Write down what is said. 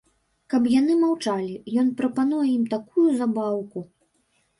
Каб яны маўчалі, ён прапануе ім такую забаўку.